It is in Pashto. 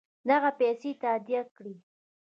دغه پیسې تادیه کړي.